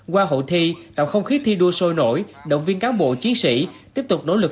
qua hội thi tạo không khí thi đua sôi nổi động viên cán bộ chiến sĩ tiếp tục nỗ lực